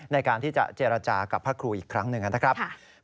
ในการที่จะเจรจากับพระครูอีกครั้งหนึ่งนะครับ